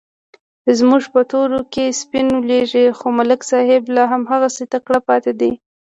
زموږ په تورو کې سپین ولږېدل، خو ملک صاحب لا هماغسې تکړه پاتې دی.